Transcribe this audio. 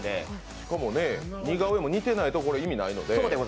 しかも、似顔絵も似てないと意味ないので。